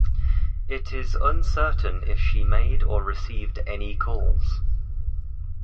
It is uncertain if she made or received any calls.